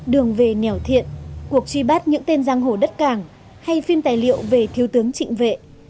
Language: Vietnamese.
đường về nẻo thiện cuộc truy bắt những tên giang hồ đất cảng hay phim tài liệu về thiếu tướng trịnh vệ